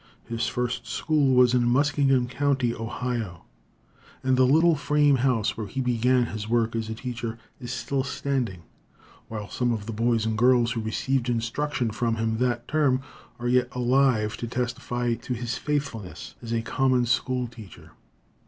His first school was in Muskingum County, Ohio, and the little frame house where he began his work as a teacher, is still standing, while some of the boys and girls who received instruction from him that term are yet alive to testify to his faithfulness as a common school teacher.